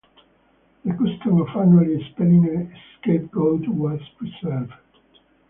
The custom of annually expelling a scapegoat was preserved.